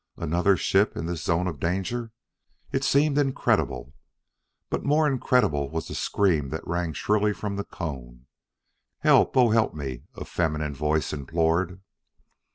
Another ship in this zone of danger? it seemed incredible. But more incredible was the scream that rang shrilly from the cone. "Help! Oh, help me!" a feminine voice implored.